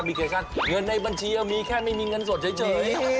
เคชั่นเงินในบัญชีมีแค่ไม่มีเงินสดเฉย